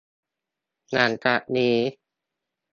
หลังจากนี้